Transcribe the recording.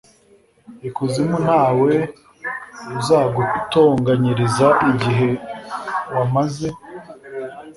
ikuzimu nta we uzagutonganyiriza igihe wamaze